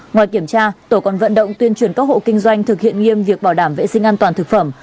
ngoài kiểm tra tổ còn vận động tuyên truyền các hộ kinh doanh thực hiện nghiêm việc bảo đảm vệ sinh an toàn thực phẩm